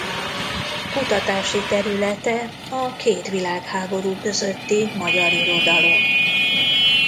Kutatási területe a két világháború közötti magyar irodalom.